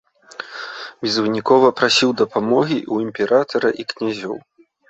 Безвынікова прасіў дапамогі ў імператара і князёў.